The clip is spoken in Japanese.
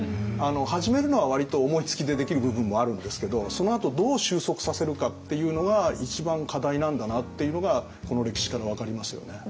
始めるのは割と思いつきでできる部分もあるんですけどそのあとどう収束させるかっていうのが一番課題なんだなっていうのがこの歴史から分かりますよね。